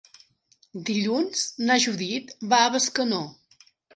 Dilluns na Judit va a Bescanó.